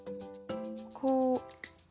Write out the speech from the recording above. こう。